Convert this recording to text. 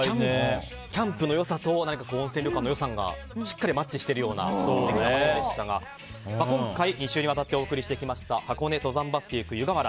キャンプの良さと温泉旅館の良さがしっかりマッチしているような場所でしたが今回２週にわたってお送りしてきました箱根登山バスで行く湯河原。